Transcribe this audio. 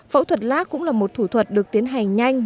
phẫu thuật lác cũng là một thủ thuật được tiến hành nhanh